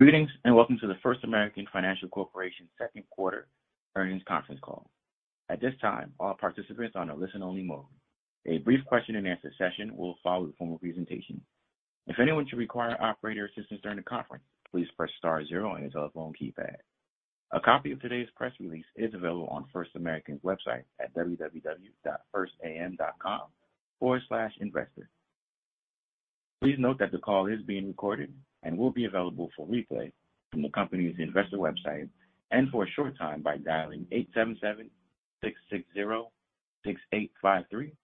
Greetings, and welcome to the First American Financial Corporation Second Quarter Earnings Conference Call. At this time, all participants are on a listen-only mode. A brief question-and-answer session will follow the formal presentation. If anyone should require operator assistance during the conference, please press star zero on your telephone keypad. A copy of today's press release is available on First American's website at www.firstam.com/investor. Please note that the call is being recorded and will be available for replay from the company's investor website, and for a short time by dialing 877-660-6853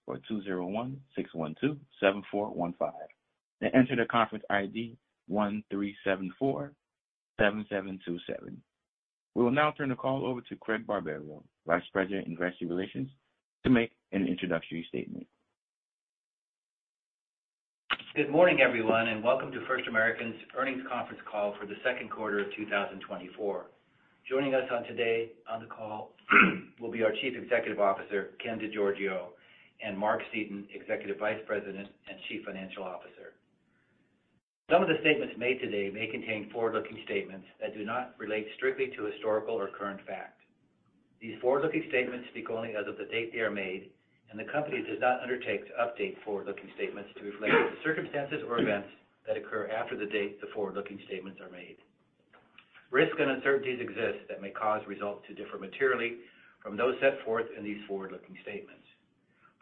or 201-612-7415, and enter the conference ID 13747727. We will now turn the call over to Craig Barberio, Vice President in Investor Relations, to make an introductory statement. Good morning, everyone, and welcome to First American's Earnings Conference Call for the second quarter of 2024. Joining us on today on the call will be our Chief Executive Officer, Ken DeGiorgio, and Mark Seaton, Executive Vice President and Chief Financial Officer. Some of the statements made today may contain forward-looking statements that do not relate strictly to historical or current fact. These forward-looking statements speak only as of the date they are made, and the company does not undertake to update forward-looking statements to reflect circumstances or events that occur after the date the forward-looking statements are made. Risks and uncertainties exist that may cause results to differ materially from those set forth in these forward-looking statements.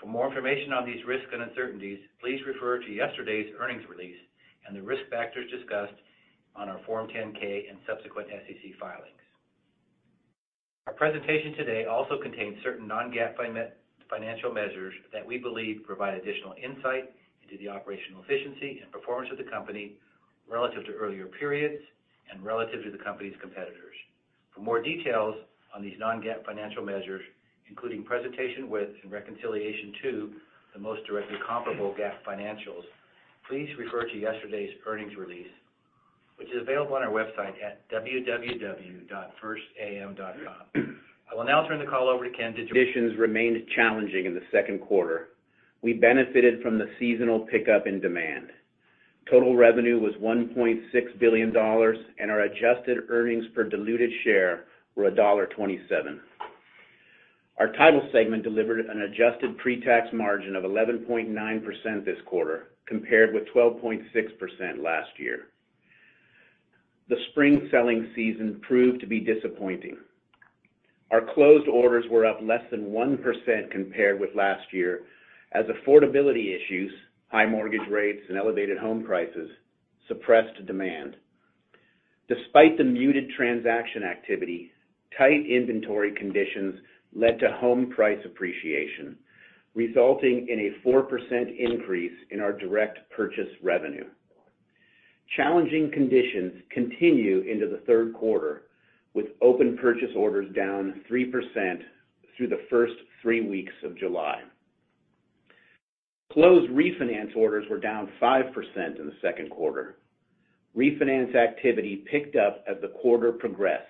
For more information on these risks and uncertainties, please refer to yesterday's earnings release and the risk factors discussed on our Form 10-K and subsequent SEC filings. Our presentation today also contains certain non-GAAP financial measures that we believe provide additional insight into the operational efficiency and performance of the company relative to earlier periods and relative to the company's competitors. For more details on these non-GAAP financial measures, including presentation with and reconciliation to the most directly comparable GAAP financials, please refer to yesterday's earnings release, which is available on our website at www.firstam.com. I will now turn the call over to Ken DeGiorgio. Conditions remained challenging in the second quarter. We benefited from the seasonal pickup in demand. Total revenue was $1.6 billion, and our adjusted earnings per diluted share were $1.27. Our Title segment delivered an adjusted pre-tax margin of 11.9% this quarter, compared with 12.6% last year. The spring selling season proved to be disappointing. Our closed orders were up less than 1% compared with last year, as affordability issues, high mortgage rates, and elevated home prices suppressed demand. Despite the muted transaction activity, tight inventory conditions led to home price appreciation, resulting in a 4% increase in our direct purchase revenue. Challenging conditions continue into the third quarter, with open purchase orders down 3% through the first three weeks of July. Closed refinance orders were down 5% in the second quarter. Refinance activity picked up as the quarter progressed.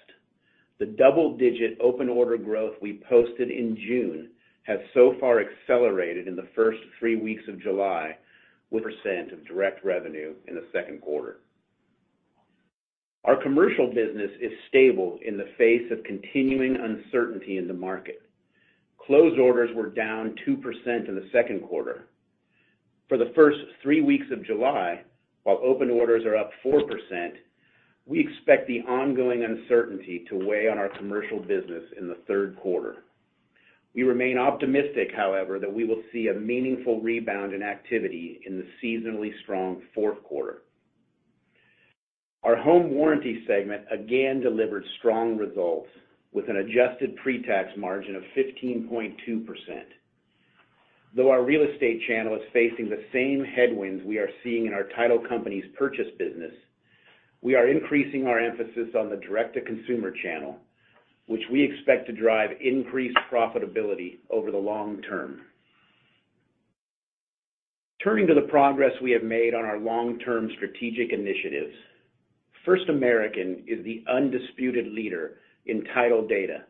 The double-digit open order growth we posted in June has so far accelerated in the first three weeks of July, with percent of direct revenue in the second quarter. Our commercial business is stable in the face of continuing uncertainty in the market. Closed orders were down 2% in the second quarter. For the first three weeks of July, while open orders are up 4%, we expect the ongoing uncertainty to weigh on our commercial business in the third quarter. We remain optimistic, however, that we will see a meaningful rebound in activity in the seasonally strong fourth quarter. Our home warranty segment again delivered strong results, with an adjusted pre-tax margin of 15.2%. Though our real estate channel is facing the same headwinds we are seeing in our title company's purchase business, we are increasing our emphasis on the direct-to-consumer channel, which we expect to drive increased profitability over the long term. Turning to the progress we have made on our long-term strategic initiatives, First American is the undisputed leader in title data,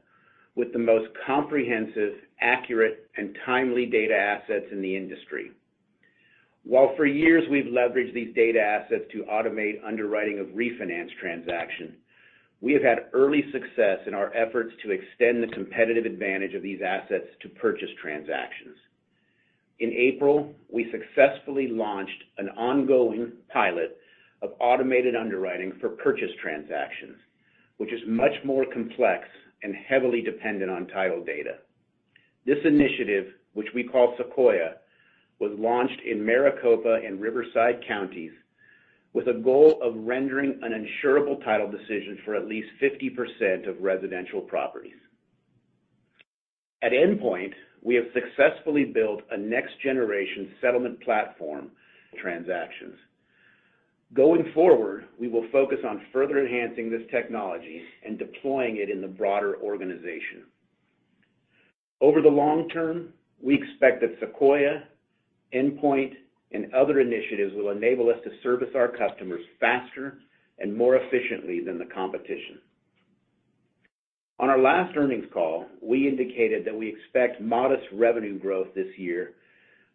with the most comprehensive, accurate, and timely data assets in the industry. While for years we've leveraged these data assets to automate underwriting of refinance transactions, we have had early success in our efforts to extend the competitive advantage of these assets to purchase transactions. In April, we successfully launched an ongoing pilot of automated underwriting for purchase transactions, which is much more complex and heavily dependent on title data. This initiative, which we call Sequoia, was launched in Maricopa and Riverside counties with a goal of rendering an insurable title decision for at least 50% of residential properties. At Endpoint, we have successfully built a next-generation settlement platform for transactions. Going forward, we will focus on further enhancing this technology and deploying it in the broader organization. Over the long term, we expect that Sequoia, Endpoint, and other initiatives will enable us to service our customers faster and more efficiently than the competition... On our last earnings call, we indicated that we expect modest revenue growth this year,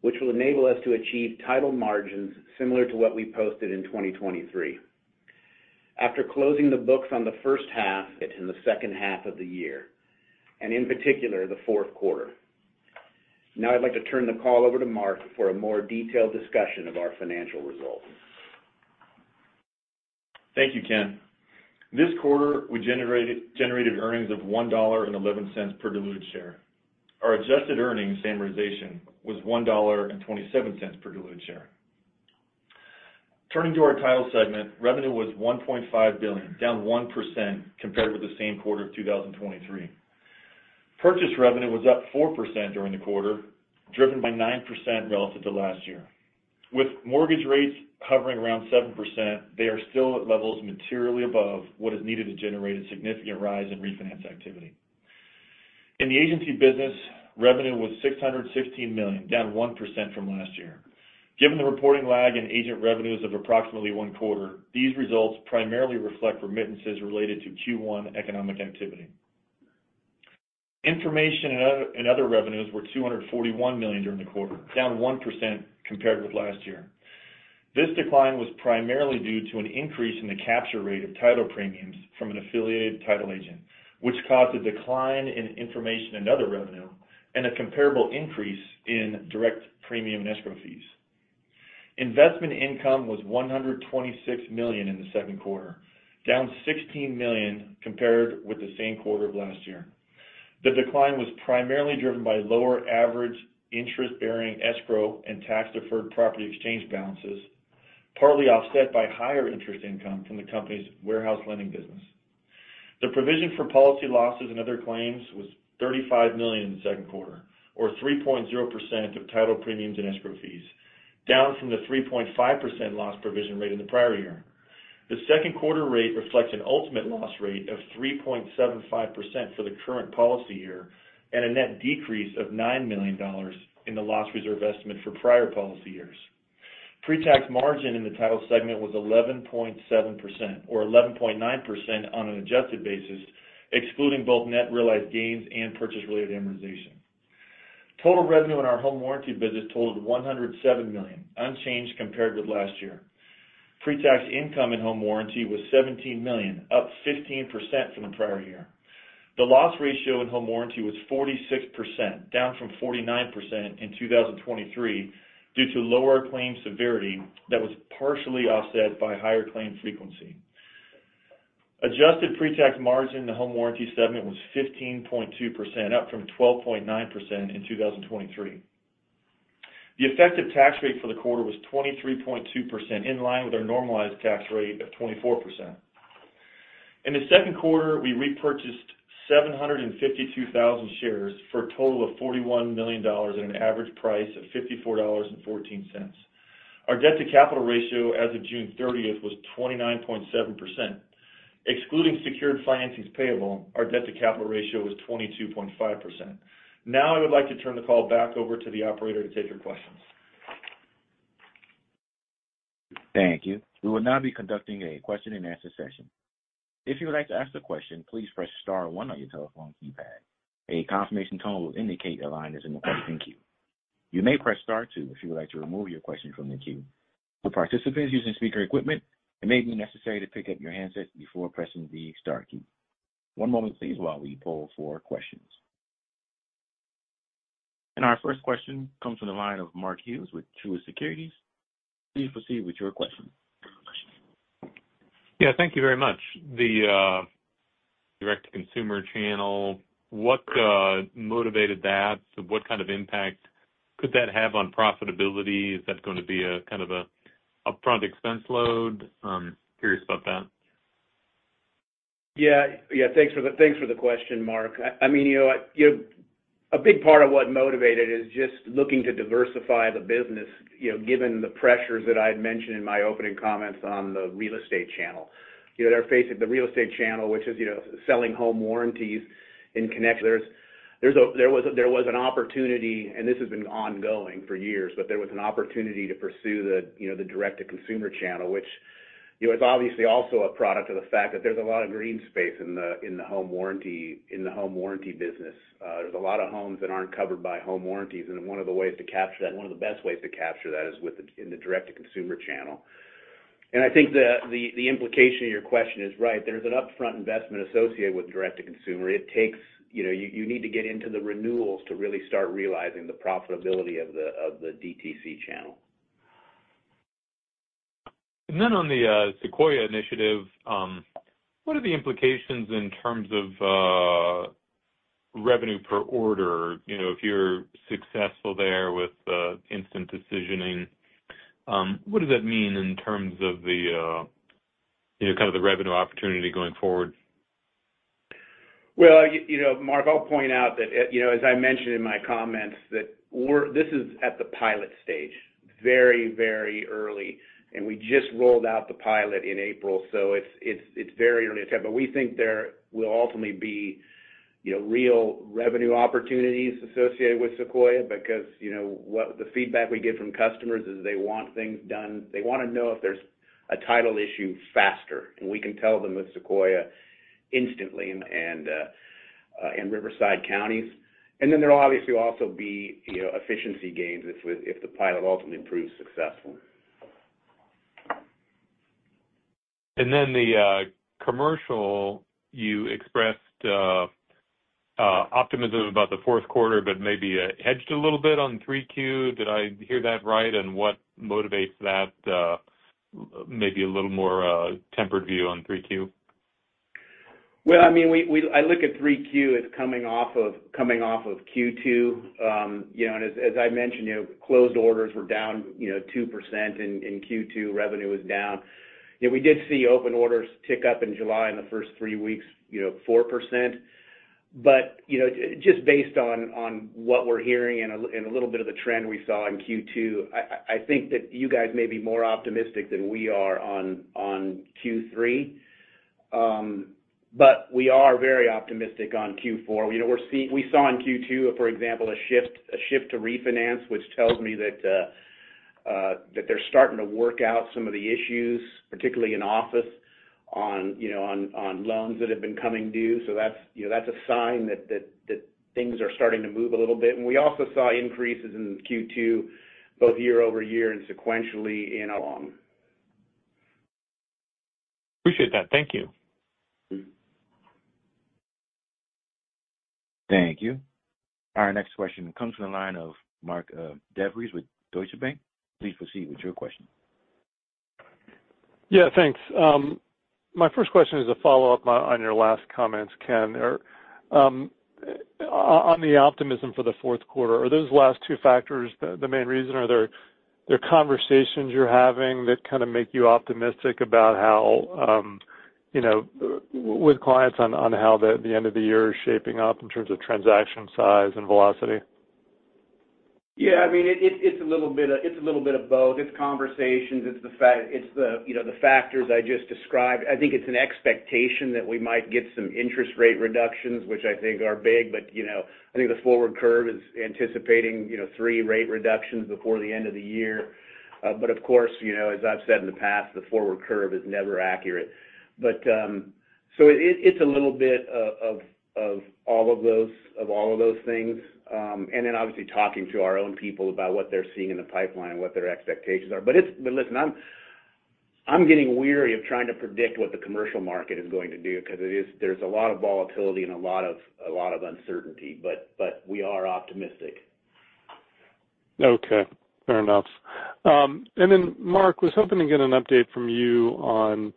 which will enable us to achieve title margins similar to what we posted in 2023. After closing the books on the first half, in the second half of the year, and in particular, the fourth quarter. Now I'd like to turn the call over to Mark for a more detailed discussion of our financial results. Thank you, Ken. This quarter, we generated earnings of $1.11 per diluted share. Our adjusted earnings amortization was $1.27 per diluted share. Turning to our title segment, revenue was $1.5 billion, down 1% compared with the same quarter of 2023. Purchase revenue was up 4% during the quarter, driven by 9% relative to last year. With mortgage rates hovering around 7%, they are still at levels materially above what is needed to generate a significant rise in refinance activity. In the agency business, revenue was $616 million, down 1% from last year. Given the reporting lag in agent revenues of approximately one quarter, these results primarily reflect remittances related to Q1 economic activity. Information and other, and other revenues were $241 million during the quarter, down 1% compared with last year. This decline was primarily due to an increase in the capture rate of title premiums from an affiliated title agent, which caused a decline in information and other revenue and a comparable increase in direct premium and escrow fees. Investment income was $126 million in the second quarter, down $16 million compared with the same quarter of last year. The decline was primarily driven by lower average interest-bearing escrow and tax-deferred property exchange balances, partly offset by higher interest income from the company's warehouse lending business. The provision for policy losses and other claims was $35 million in the second quarter, or 3.0% of title premiums and escrow fees, down from the 3.5% loss provision rate in the prior year. The second quarter rate reflects an ultimate loss rate of 3.75% for the current policy year and a net decrease of $9 million in the loss reserve estimate for prior policy years. Pre-tax margin in the title segment was 11.7%, or 11.9% on an adjusted basis, excluding both net realized gains and purchase-related amortization. Total revenue in our home warranty business totaled $107 million, unchanged compared with last year. Pre-tax income in home warranty was $17 million, up 15% from the prior year. The loss ratio in home warranty was 46%, down from 49% in 2023, due to lower claim severity that was partially offset by higher claim frequency. Adjusted pre-tax margin in the home warranty segment was 15.2%, up from 12.9% in 2023. The effective tax rate for the quarter was 23.2%, in line with our normalized tax rate of 24%. In the second quarter, we repurchased 752,000 shares for a total of $41 million at an average price of $54.14. Our debt-to-capital ratio as of June 30th was 29.7%. Excluding secured financings payable, our debt-to-capital ratio was 22.5%. Now, I would like to turn the call back over to the operator to take your questions. Thank you. We will now be conducting a question-and-answer session. If you would like to ask a question, please press star one on your telephone keypad. A confirmation tone will indicate your line is in the question queue. You may press star two if you would like to remove your question from the queue. For participants using speaker equipment, it may be necessary to pick up your handsets before pressing the star key. One moment, please, while we poll for questions. Our first question comes from the line of Mark Hughes with Truist Securities. Please proceed with your question. Yeah, thank you very much. The direct-to-consumer channel, what motivated that? What kind of impact could that have on profitability? Is that going to be a kind of upfront expense load? Curious about that. Yeah. Yeah, thanks for the, thanks for the question, Mark. I, I mean, you know, a big part of what motivated is just looking to diversify the business, you know, given the pressures that I had mentioned in my opening comments on the real estate channel. You know, they're facing the real estate channel, which is, you know, selling home warranties in connection. There's, there's a -- there was, there was an opportunity, and this has been ongoing for years, but there was an opportunity to pursue the, you know, the direct-to-consumer channel, which, you know, is obviously also a product of the fact that there's a lot of green space in the, in the home warranty, in the home warranty business. There's a lot of homes that aren't covered by home warranties, and one of the ways to capture that, one of the best ways to capture that is with the, in the direct-to-consumer channel. I think the implication of your question is right. There's an upfront investment associated with direct-to-consumer. It takes... You know, you need to get into the renewals to really start realizing the profitability of the DTC channel. Then on the Sequoia initiative, what are the implications in terms of revenue per order? You know, if you're successful there with instant decisioning, what does that mean in terms of the, you know, kind of the revenue opportunity going forward? Well, you know, Mark, I'll point out that, you know, as I mentioned in my comments, that we're, this is at the pilot stage, very, very early, and we just rolled out the pilot in April, so it's very early to tell. But we think there will ultimately be, you know, real revenue opportunities associated with Sequoia because, you know, the feedback we get from customers is they want things done. They want to know if there's a title issue faster, and we can tell them with Sequoia instantly in Riverside County. And then there will obviously also be, you know, efficiency gains if the pilot ultimately proves successful. And then the commercial, you expressed optimism about the fourth quarter, but maybe hedged a little bit on 3Q. Did I hear that right? And what motivates that, maybe a little more tempered view on 3Q? Well, I mean, we look at 3Q as coming off of Q2. You know, and as I mentioned, you know, closed orders were down 2% in Q2, revenue was down. You know, we did see open orders tick up in July in the first three weeks 4%. But, you know, just based on what we're hearing and a little bit of the trend we saw in Q2, I think that you guys may be more optimistic than we are on Q3. But we are very optimistic on Q4. You know, we saw in Q2, for example, a shift to refinance, which tells me that they're starting to work out some of the issues, particularly in office, you know, on loans that have been coming due. So that's, you know, that's a sign that things are starting to move a little bit. And we also saw increases in Q2, both year-over-year and sequentially in along. Appreciate that. Thank you. Thank you. Our next question comes from the line of Mark DeVries with Deutsche Bank. Please proceed with your question. Yeah, thanks. My first question is a follow-up on your last comments, Ken. On the optimism for the fourth quarter, are those last two factors the main reason, or are there conversations you're having that kind of make you optimistic about how, you know, with clients on how the end of the year is shaping up in terms of transaction size and velocity? Yeah, I mean, it's a little bit of both. It's conversations, it's the, you know, the factors I just described. I think it's an expectation that we might get some interest rate reductions, which I think are big, but, you know, I think the forward curve is anticipating, you know, three rate reductions before the end of the year. But of course, you know, as I've said in the past, the forward curve is never accurate. But, so it's a little bit of all of those things. And then obviously talking to our own people about what they're seeing in the pipeline and what their expectations are. But listen, I'm getting weary of trying to predict what the commercial market is going to do because there's a lot of volatility and a lot of uncertainty, but we are optimistic. Okay. Fair enough. And then Mark, I was hoping to get an update from you on,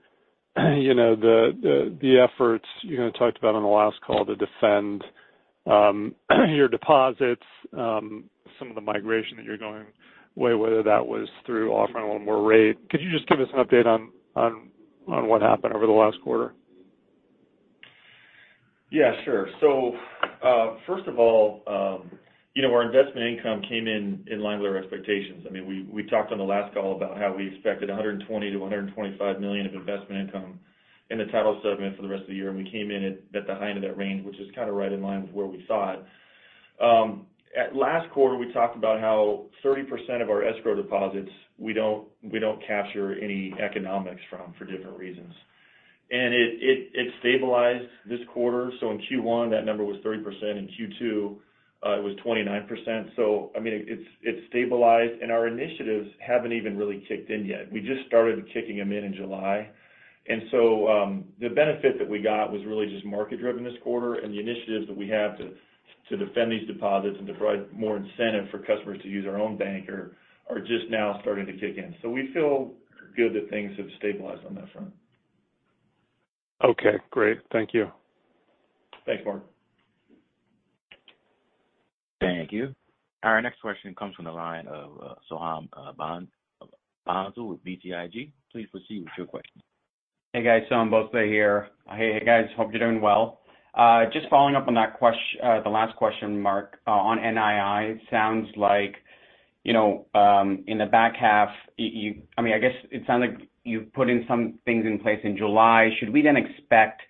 you know, the efforts you kind of talked about on the last call to defend your deposits, some of the migration that you're going away, whether that was through offering a little more rate. Could you just give us an update on what happened over the last quarter? Yeah, sure. So, first of all, you know, our investment income came in in line with our expectations. I mean, we talked on the last call about how we expected $120 million-$125 million of investment income in the title segment for the rest of the year, and we came in at the high end of that range, which is kind of right in line with where we thought. At last quarter, we talked about how 30% of our escrow deposits, we don't capture any economics from, for different reasons. And it stabilized this quarter, so in Q1, that number was 30%, in Q2, it was 29%. So I mean, it's stabilized, and our initiatives haven't even really kicked in yet. We just started kicking them in in July. So, the benefit that we got was really just market driven this quarter, and the initiatives that we have to defend these deposits and to provide more incentive for customers to use our own banker are just now starting to kick in. So we feel good that things have stabilized on that front. Okay, great. Thank you. Thanks, Mark. Thank you. Our next question comes from the line of Soham Bhonsle with BTIG. Please proceed with your question. Hey, guys, Soham Bhonsle here. Hey, guys, hope you're doing well. Just following up on that, the last question, Mark, on NII, it sounds like, you know, in the back half, I mean, I guess it sounds like you've put in some things in place in July. Should we then expect,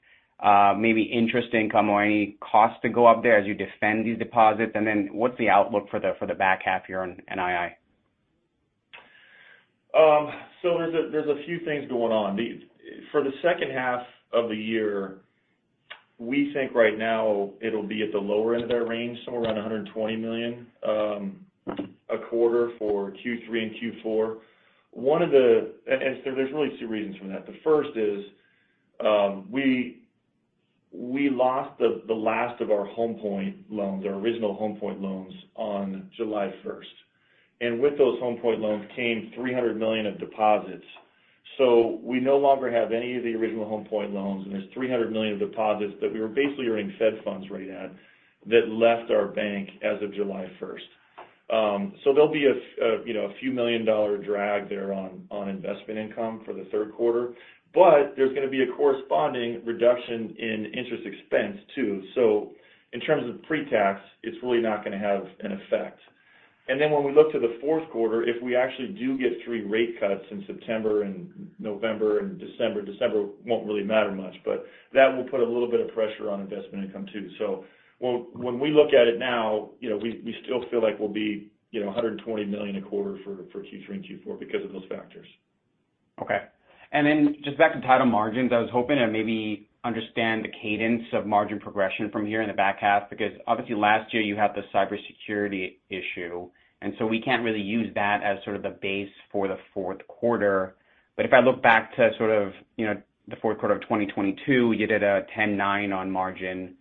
maybe interest income or any costs to go up there as you defend these deposits? And then what's the outlook for the back half year on NII? So, there are a few things going on. For the second half of the year, we think right now it'll be at the lower end of that range, somewhere around $120 million a quarter for Q3 and Q4. And there's really two reasons for that. The first is, we lost the last of Home Point loans, our Home Point loans, on July 1st. And with Home Point loans came $300 million of deposits. So we no longer have any of the Home Point loans, and there's $300 million of deposits that we were basically earning Fed funds right at, that left our bank as of July 1st. So there'll be a, you know, a few million dollar drag there on investment income for the third quarter, but there's gonna be a corresponding reduction in interest expense, too. So in terms of pre-tax, it's really not gonna have an effect. And then when we look to the fourth quarter, if we actually do get 3 rate cuts in September and November and December, December won't really matter much, but that will put a little bit of pressure on investment income too. So when we look at it now, you know, we still feel like we'll be, you know, $120 million a quarter for Q3 and Q4 because of those factors. Okay. Then just back to title margins, I was hoping to maybe understand the cadence of margin progression from here in the back half, because obviously last year you had the cybersecurity issue, and so we can't really use that as sort of the base for the fourth quarter. But if I look back to sort of, you know, the fourth quarter of 2022, you did a 10.9% margin,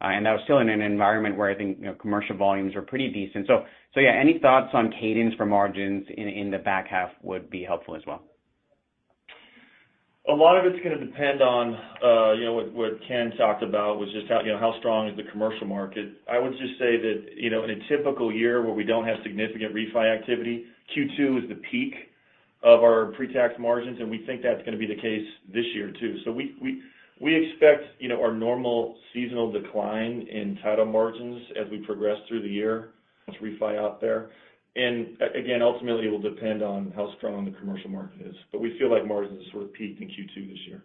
and that was still in an environment where I think, you know, commercial volumes were pretty decent. So yeah, any thoughts on cadence for margins in the back half would be helpful as well. A lot of it's gonna depend on, you know, what Ken talked about, was just how, you know, how strong is the commercial market. I would just say that, you know, in a typical year where we don't have significant refi activity, Q2 is the peak of our pretax margins, and we think that's gonna be the case this year, too. So we expect, you know, our normal seasonal decline in title margins as we progress through the year, as refi out there. And again, ultimately, it will depend on how strong the commercial market is. But we feel like margins will sort of peak in Q2 this year.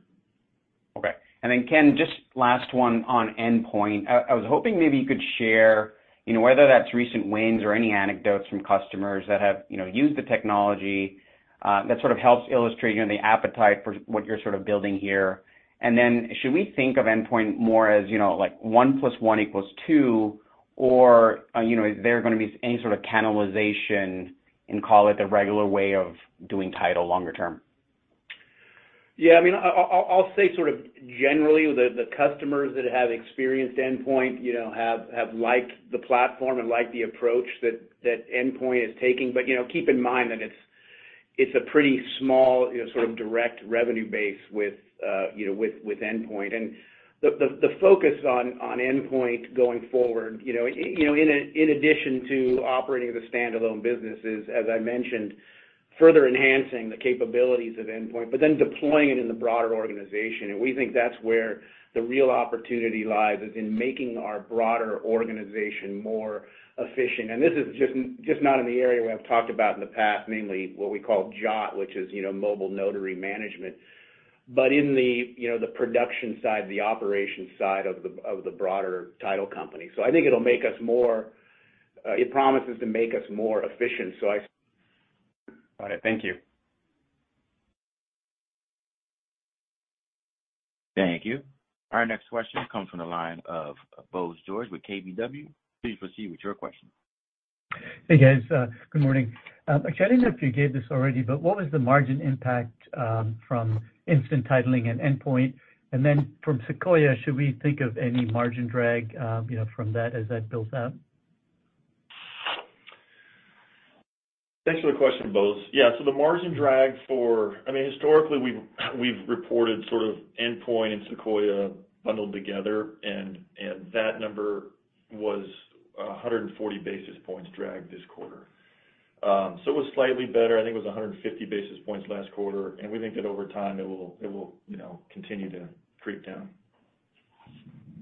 Okay. And then, Ken, just last one on Endpoint. I was hoping maybe you could share, you know, whether that's recent wins or any anecdotes from customers that have, you know, used the technology that sort of helps illustrate, you know, the appetite for what you're sort of building here. And then should we think of Endpoint more as, you know, like, one plus one equals two, or, you know, is there gonna be any sort of cannibalization and call it the regular way of doing title longer term? Yeah, I mean, I'll say sort of generally, the customers that have experienced Endpoint, you know, have liked the platform and liked the approach that Endpoint is taking. But, you know, keep in mind that it's a pretty small, you know, sort of direct revenue base with, you know, with Endpoint. And the focus on Endpoint going forward, you know, you know, in addition to operating as a standalone business is, as I mentioned, further enhancing the capabilities of Endpoint, but then deploying it in the broader organization. And we think that's where the real opportunity lies, is in making our broader organization more efficient. This is just, just not in the area we have talked about in the past, mainly what we call Jot, which is, you know, mobile notary management, but in the, you know, the production side, the operations side of the, of the broader title company. So I think it'll make us more, It promises to make us more efficient, so I- All right. Thank you. Thank you. Our next question comes from the line of Bose George with KBW. Please proceed with your question. Hey, guys, good morning. Actually, I don't know if you gave this already, but what was the margin impact from instant titling and Endpoint? And then from Sequoia, should we think of any margin drag, you know, from that as that builds out? Thanks for the question, Bose. Yeah, so the margin drag for—I mean, historically, we've, we've reported sort of Endpoint and Sequoia bundled together, and, and that number was 140 basis points drag this quarter. So it was slightly better. I think it was 150 basis points last quarter, and we think that over time, it will, it will, you know, continue to creep down.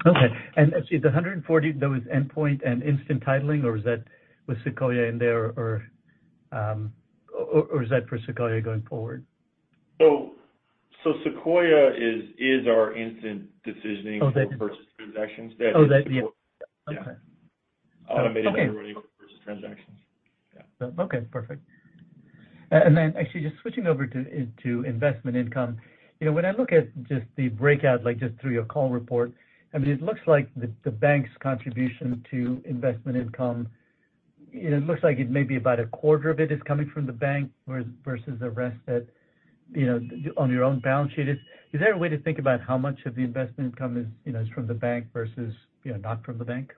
Okay. And, actually, the 140, that was Endpoint and Instant Titling, or was that with Sequoia in there, or, or is that for Sequoia going forward? So Sequoia is our instant decisioning- Oh, thank you. -for purchase transactions. Oh, that, yeah. Okay. Automated transactions. Yeah. Okay, perfect. And then actually just switching over to investment income. You know, when I look at just the breakout, like, just through your call report, I mean, it looks like the bank's contribution to investment income, it looks like it may be about a quarter of it is coming from the bank versus the rest that, you know, on your own balance sheet. Is there a way to think about how much of the investment income is, you know, is from the bank versus, you know, not from the bank?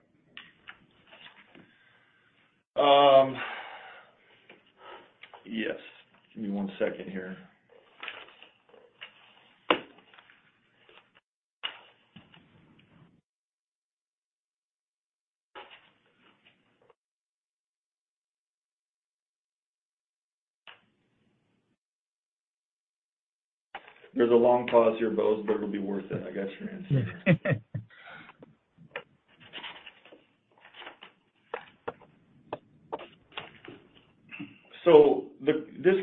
Yes. Give me one second here. There's a long pause here, Bose, but it'll be worth it. I got your answer. So this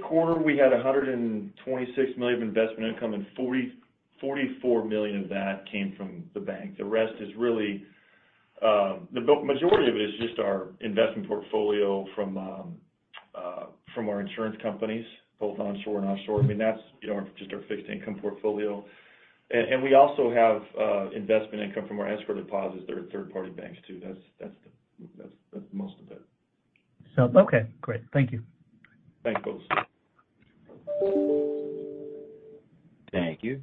quarter, we had $126 million of investment income, and $44 million of that came from the bank. The rest is really, the majority of it is just our investment portfolio from, from our insurance companies, both onshore and offshore. I mean, that's, you know, just our fixed income portfolio. And we also have investment income from our escrow deposits that are third-party banks, too. That's most of it. Okay, great. Thank you. Thanks, Bose. Thank you.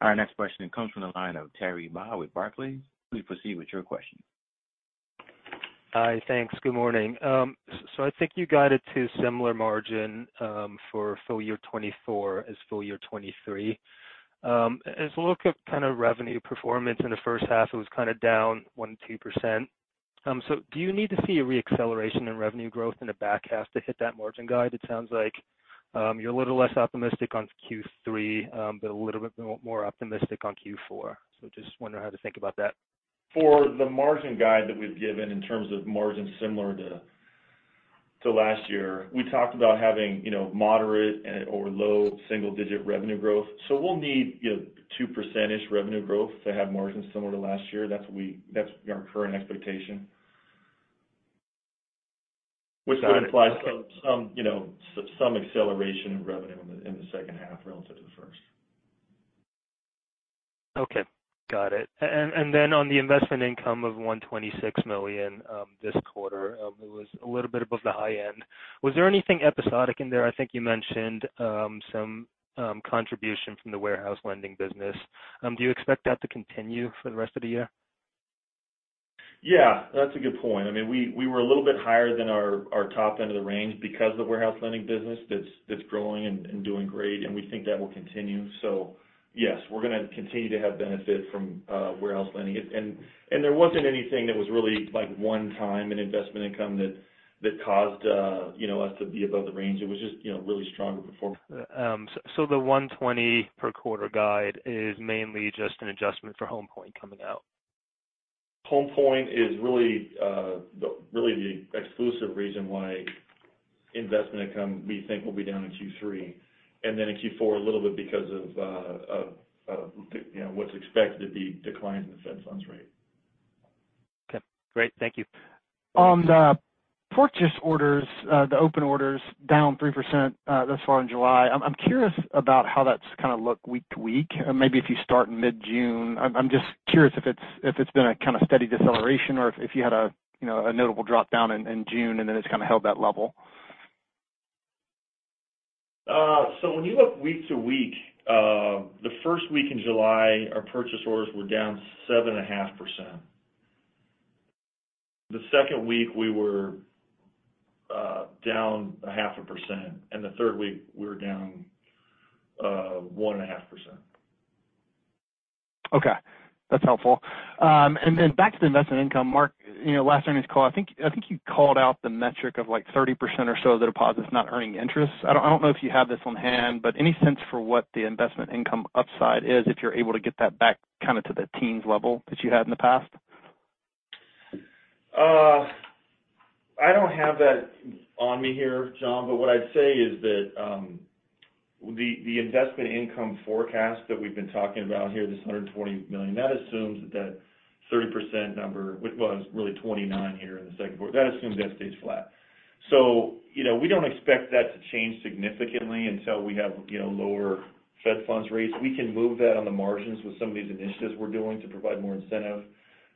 Our next question comes from the line of Terry Ma with Barclays. Please proceed with your question. Hi, thanks. Good morning. So I think you guided to similar margin for full year 2024 as full year 2023. As I look at kind of revenue performance in the first half, it was kind of down 1%-2%. So do you need to see a re-acceleration in revenue growth in the back half to hit that margin guide? It sounds like you're a little less optimistic on Q3, but a little bit more optimistic on Q4. So just wondering how to think about that? For the margin guide that we've given in terms of margin similar to last year, we talked about having, you know, moderate and or low single digit revenue growth. So we'll need, you know, 2% revenue growth to have margins similar to last year. That's what - that's our current expectation. Got it. Which would imply some, you know, some acceleration in revenue in the second half relative to the first. Okay, got it. And then on the investment income of $126 million, this quarter, it was a little bit above the high end. Was there anything episodic in there? I think you mentioned, some contribution from the warehouse lending business. Do you expect that to continue for the rest of the year? Yeah, that's a good point. I mean, we were a little bit higher than our top end of the range because of the warehouse lending business that's growing and doing great, and we think that will continue. So yes, we're going to continue to have benefit from warehouse lending. And there wasn't anything that was really like one time in investment income that caused you know us to be above the range. It was just you know really strong performance. So the $120 per quarter guide is mainly just an adjustment Home Point coming out? Home Point is really the exclusive reason why investment income, we think, will be down in Q3. And then in Q4, a little bit because of, you know, what's expected to be declines in the Fed funds rate. Okay, great. Thank you. On the purchase orders, the open orders down 3%, thus far in July. I'm curious about how that's kind of looked week to week. Maybe if you start in mid-June. I'm just curious if it's been a kind of steady deceleration or if you had a, you know, a notable drop down in June and then it's kind of held that level. So when you look week to week, the first week in July, our purchase orders were down 7.5%. The second week, we were down 0.5%, and the third week, we were down 1.5%. Okay. That's helpful. And then back to the investment income, Mark, you know, last earnings call, I think, I think you called out the metric of, like, 30% or so of the deposits not earning interest. I don't, I don't know if you have this on hand, but any sense for what the investment income upside is if you're able to get that back kind of to the teens level that you had in the past? I don't have that on me here, John, but what I'd say is that the investment income forecast that we've been talking about here, this $120 million, that assumes that 30% number, well, it's really 29% here in the second quarter. That assumes that stays flat. So, you know, we don't expect that to change significantly until we have, you know, lower Fed funds rates. We can move that on the margins with some of these initiatives we're doing to provide more incentive.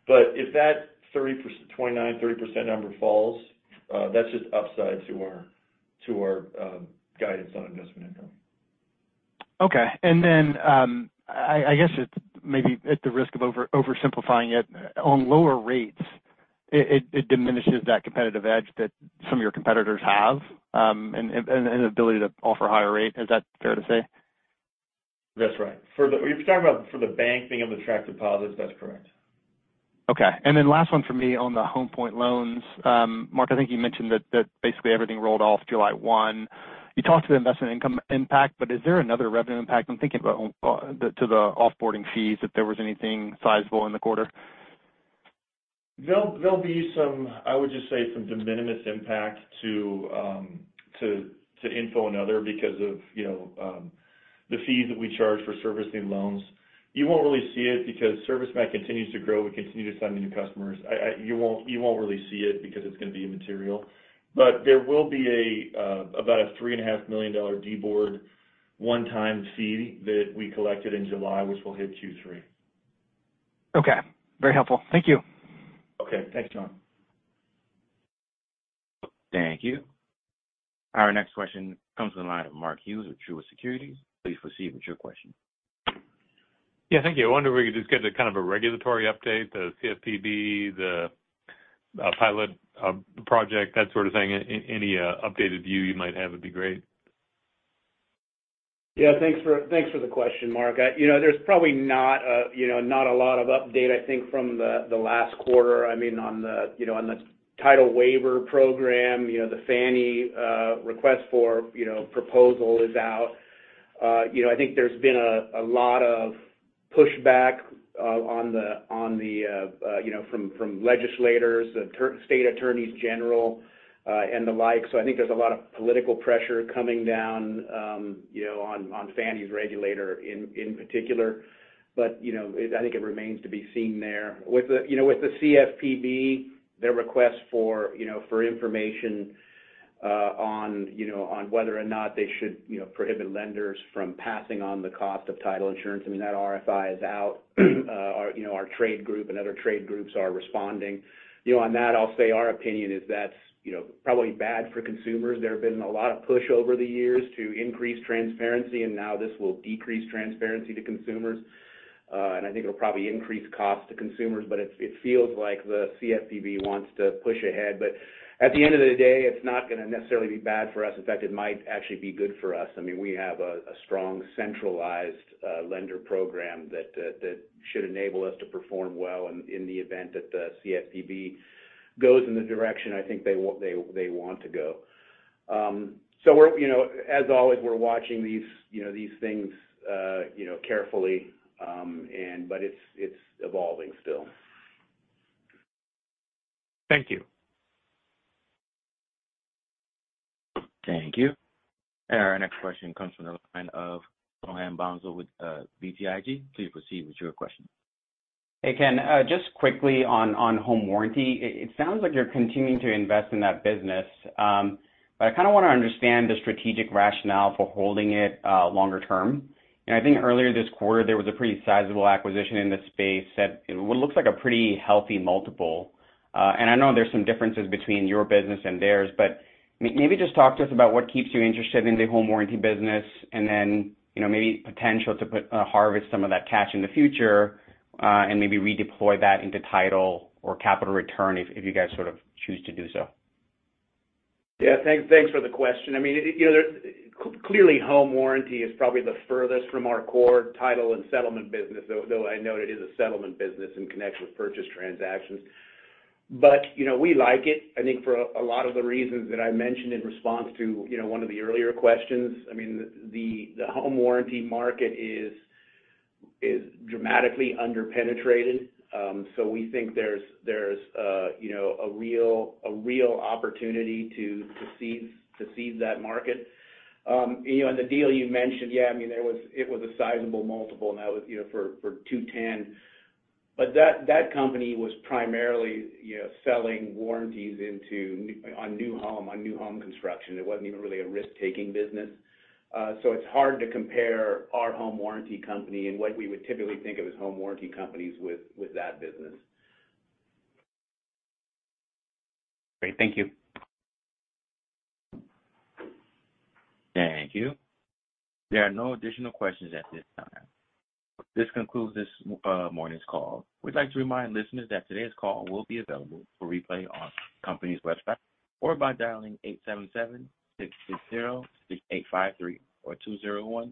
But if that 30%-29%, 30% number falls, that's just upside to our guidance on investment income. Okay. And then, I guess it's maybe at the risk of oversimplifying it, on lower rates, it diminishes that competitive edge that some of your competitors have, and the ability to offer higher rate. Is that fair to say? That's right. For if you're talking about for the banking of the tracked deposits, that's correct. Okay. And then last one for me on Home Point loans. Mark, I think you mentioned that basically everything rolled off July 1. You talked to the investment income impact, but is there another revenue impact? I'm thinking about the off-boarding fees, if there was anything sizable in the quarter. There'll be some, I would just say, some de minimis impact to Information and other because of, you know, the fees that we charge for servicing loans. You won't really see it because ServiceMac continues to grow, we continue to sign new customers. You won't really see it because it's going to be immaterial. But there will be about a $3.5 million deboard one-time fee that we collected in July, which will hit Q3. Okay. Very helpful. Thank you. Okay. Thanks, John. Thank you. Our next question comes from the line of Mark Hughes with Truist Securities. Please proceed with your question. Yeah, thank you. I wonder if we could just get a kind of a regulatory update, the CFPB, the pilot project, that sort of thing. Any updated view you might have would be great. Yeah, thanks for, thanks for the question, Mark. You know, there's probably not, you know, not a lot of update, I think, from the last quarter. I mean, on the title waiver program, you know, the Fannie request for proposal is out. You know, I think there's been a lot of pushback on the title waiver program from legislators, the state attorneys general, and the like. So I think there's a lot of political pressure coming down on Fannie's regulator in particular. But, you know, it—I think it remains to be seen there. With the, you know, with the CFPB, their request for, you know, for information, on, you know, on whether or not they should, you know, prohibit lenders from passing on the cost of title insurance, I mean, that RFI is out. Our, you know, our trade group and other trade groups are responding. You know, on that, I'll say our opinion is that's, you know, probably bad for consumers. There have been a lot of push over the years to increase transparency, and now this will decrease transparency to consumers. And I think it'll probably increase costs to consumers, but it, it feels like the CFPB wants to push ahead. But at the end of the day, it's not going to necessarily be bad for us. In fact, it might actually be good for us. I mean, we have a strong centralized lender program that should enable us to perform well in the event that the CFPB goes in the direction I think they want to go. So we're, you know, as always, we're watching these, you know, these things, you know, carefully, but it's evolving still. Thank you. Thank you. And our next question comes from the line of Soham Bhonsle with BTIG. Please proceed with your question. Hey, Ken, just quickly on home warranty. It sounds like you're continuing to invest in that business, but I kind of want to understand the strategic rationale for holding it longer term. And I think earlier this quarter, there was a pretty sizable acquisition in this space that what looks like a pretty healthy multiple. And I know there's some differences between your business and theirs, but maybe just talk to us about what keeps you interested in the home warranty business, and then, you know, maybe potential to harvest some of that cash in the future, and maybe redeploy that into title or capital return if you guys sort of choose to do so. Yeah, thanks, thanks for the question. I mean, you know, there's clearly home warranty is probably the furthest from our core title and settlement business, though I know it is a settlement business in connection with purchase transactions. But, you know, we like it, I think for a lot of the reasons that I mentioned in response to, you know, one of the earlier questions. I mean, the home warranty market is dramatically underpenetrated. So we think there's you know, a real opportunity to seize that market. You know, and the deal you mentioned, yeah, I mean, it was a sizable multiple, and that was, you know, for 2-10. But that company was primarily, you know, selling warranties into on new home construction. It wasn't even really a risk-taking business. So it's hard to compare our home warranty company and what we would typically think of as home warranty companies with, with that business. Great. Thank you. Thank you. There are no additional questions at this time. This concludes this morning's call. We'd like to remind listeners that today's call will be available for replay on the company's website, or by dialing 877-660-6853 or 201-